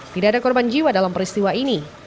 tidak ada korban jiwa dalam peristiwa ini